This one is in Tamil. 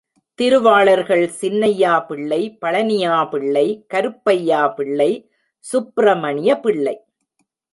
திருவாளர்கள் சின்னையாபிள்ளை, பழனியாபிள்ளை, கருப்பையாபிள்ளை, சுப்ரமணிய பிள்ளை.